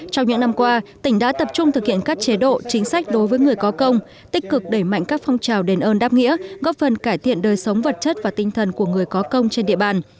trong những năm qua tỉnh đã tập trung thực hiện các chế độ chính sách đối với người có công tích cực đẩy mạnh các phong trào đền ơn đáp nghĩa góp phần cải thiện đời sống vật chất và tinh thần của người có công trên địa bàn